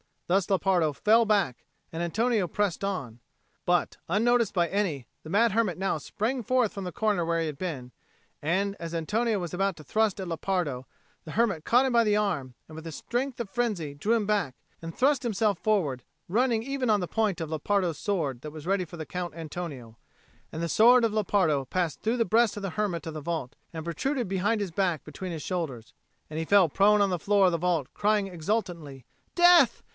Thus Lepardo fell back, and Antonio pressed on. But, unnoticed by any, the mad hermit now sprang forth from the corner where he had been; and, as Antonio was about to thrust at Lepardo, the hermit caught him by the arm, and with the strength of frenzy drew him back, and thrust himself forward, running even on the point of Lepardo's sword that was ready for Count Antonio; and the sword of Lepardo passed through the breast of the hermit of the vault, and protruded behind his back between his shoulders; and he fell prone on the floor of the vault, crying exultantly, "Death!